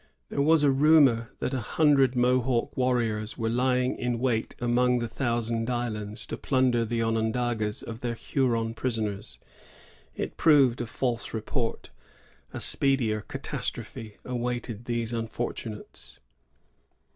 There was a rumor that a hundred Mohawk warriors were lying in wait among the Thousand Islands to plunder the Onondagas of their Huron prisoners. It proved a false report. A speedier catastrophe awaited these unfortunates.